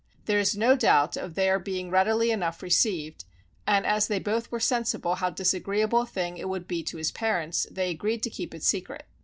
There is no doubt of their being readily enough received, and as they both were sensible how disagreeable a thing it would be to his parents, they agreed to keep it secret.